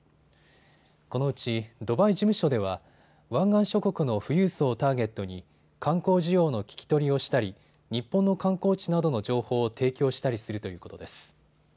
このうちドバイ事務所では湾岸諸国の富裕層をターゲットに観光需要の聞き取りをしたり日本の観光地などの情報を提供したりするということです。